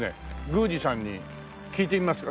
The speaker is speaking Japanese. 宮司さんに聞いてみますか。